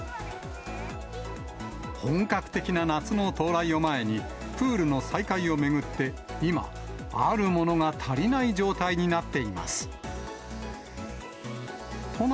本格的な夏の到来を前に、プールの再開を巡って、今、あるものが足りない状態になっています。